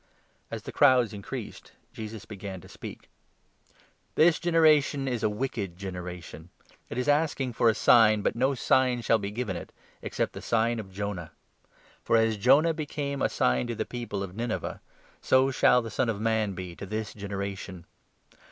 wamin ^s tne crowds increased, Jesus began to 29 agaTnst speak : seeking siens. " This generation is a wicked generation. It is asking a sign, but no sign shall be given it except the sign of Jonah. For, as Jonah became a sign to the people of 30 Nineveh, so shall the Son of Man be to this generation.